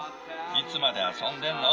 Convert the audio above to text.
いつまで遊んでるの？」